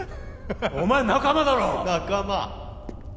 お前仲間だろ仲間？